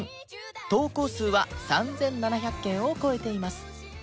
投稿数は３７００件を超えています